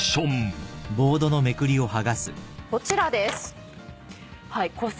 こちらです。